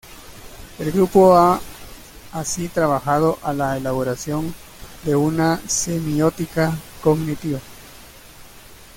El Grupo ha así trabajado a la elaboración de una semiótica cognitiva.